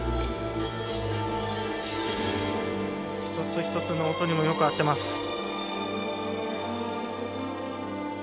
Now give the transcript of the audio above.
一つ一つの音にもよく合ってます。